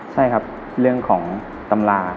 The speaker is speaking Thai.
ใช่ครับเรื่องของตำรา